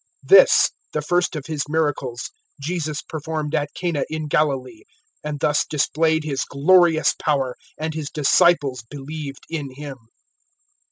002:011 This, the first of His miracles, Jesus performed at Cana in Galilee, and thus displayed His glorious power; and His disciples believed in Him.